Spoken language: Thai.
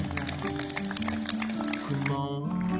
ดีจริง